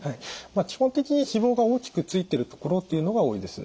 まあ基本的に脂肪が大きくついてるところっていうのが多いです。